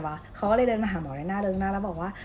เขาก็เลยเดินมาหาหมอในหน้าเริงหน้าแล้วบอกว่า